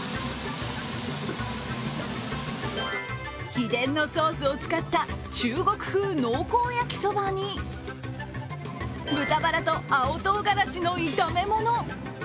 秘伝のソースを使った中国風・濃厚焼きそばに、豚バラと青とうがらしの炒めもの。